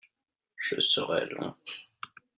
je serai long.